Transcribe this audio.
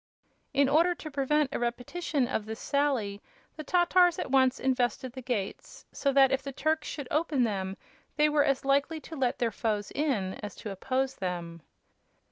In order to prevent a repetition of this sally the Tatars at once invested the gates, so that if the Turks should open them they were as likely to let their foes in as to oppose them.